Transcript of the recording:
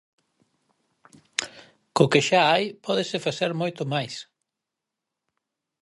Co que xa hai pódese facer moito máis.